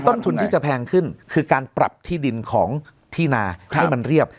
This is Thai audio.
ต้นทุนที่จะแพงขึ้นคือการปรับที่ดินของที่นาให้มันเรียบ